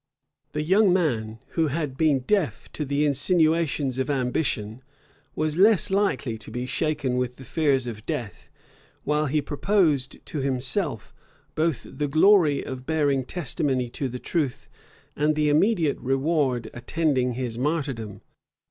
The young man, who had been deaf to the insinuations of ambition, was less likely to be shaken with the fears of death; while he proposed to himself, both the glory of bearing testimony to the truth, and the immediate reward attending his martyrdom.